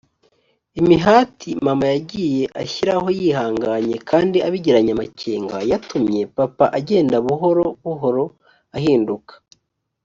imihati mama yagiye ashyiraho yihanganye kandi abigiranye amakenga yatumye papa agenda buhoro buhoro ahinduka